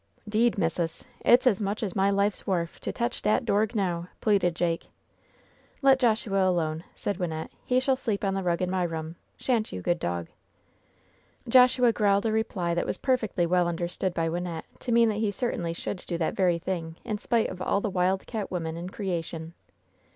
" 'Deed, missis, it's as much as my life's worf to tech dat dorg now," pleaded Jake. "Let Joshua alone," said Wynnette; "he shall sleep on the rug in my room, shan't you, good dog ?" Joshua growled a reply that was perfectly well under stood by Wynnette to mean that he certainly should do that very thing in spite of all the wildcat women in creation.